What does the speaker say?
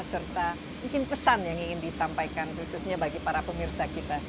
serta mungkin pesan yang ingin disampaikan khususnya bagi para pemirsa kita